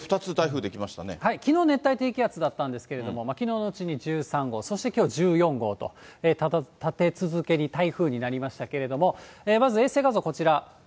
きのう、熱帯低気圧だったんですけども、きのうのうちに１３号、そしてきょう、１４号と立て続けに台風になりましたけれども、まず衛星画像、こちら。